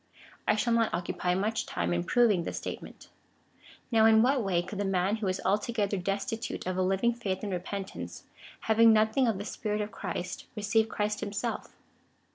I shall not occupy much time in proving this statement. Now in what way could the man who is altogether destitute of a living faith and repentance, having nothing of the Spirit of Christ,^ receive Christ him self?